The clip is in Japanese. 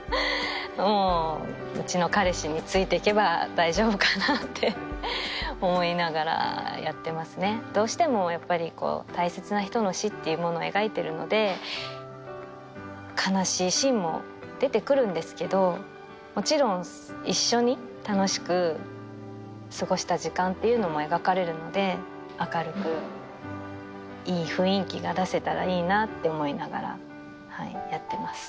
もううちの彼氏についてけば大丈夫かなって思いながらやってますねどうしてもやっぱり大切な人の死っていうものを描いてるので悲しいシーンも出てくるんですけどもちろん一緒に楽しく過ごした時間っていうのも描かれるので明るくいい雰囲気が出せたらいいなって思いながらはいやってます